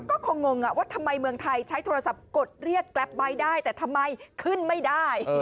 ก็คงงว่าทำไมเมืองไทยใช้โทรศัพท์กดเรียกแกรปไบท์ได้แต่ทำไมขึ้นไม่ได้